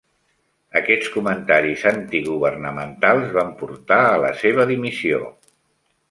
Aquests comentaris antigovernamentals van portar a la seva dimissió.